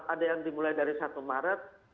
ada yang dimulai dari satu maret